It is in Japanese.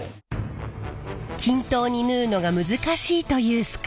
均等に縫うのが難しいというすくい縫い。